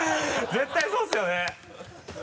絶対そうですよね！